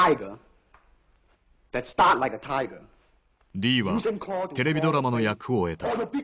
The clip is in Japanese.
リーはテレビドラマの役を得た。